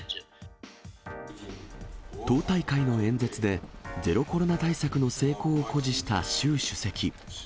党大会の演説で、ゼロコロナ対策の成功を誇示した習主席。